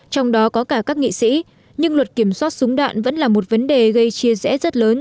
trong đó có cả các nghị sĩ nhưng luật kiểm soát súng đạn vẫn là một vấn đề gây chia rẽ rất lớn